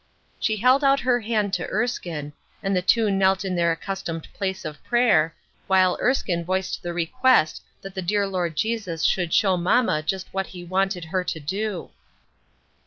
She held out her hand to Erskine, and the two knelt in their accus tomed place of prayer, while Erskine voiced the request that the dear Lord Jesus would show mamma just what He wanted her to do.